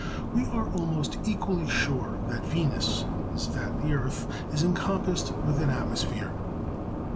We are almost equally sure that Venus, as that the earth is encompassed with an atmosphere.